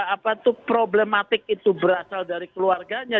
apa itu problematik itu berasal dari keluarganya